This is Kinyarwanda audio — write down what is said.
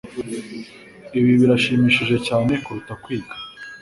Ibi birashimishije cyane kuruta kwiga.